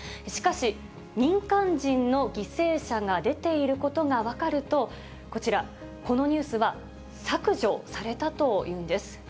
しかし、民間人の犠牲者が出ていることが分かると、こちら、このニュースは削除されたというんです。